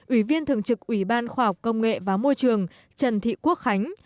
ủy viên thường trực ủy ban khoa học công nghệ và môi trường trần thị quốc khánh